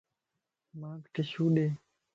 مانک ٽشو ڏي